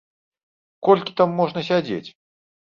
Колькі там можна сядзець?